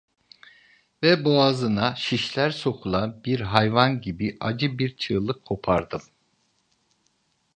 Ve boğazına şişler sokulan bir hayvan gibi acı bir çığlık kopardım.